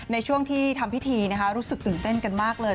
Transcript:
ในช่วงที่ทำพิธีรู้สึกตื่นเต้นกันมากเลย